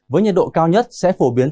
với nhật độ cao nhất sẽ phổ biến